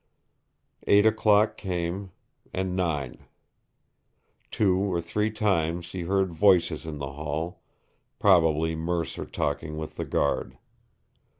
Eight o'clock came, and nine. Two or three times he heard voices in the hall, probably Mercer talking with the guard.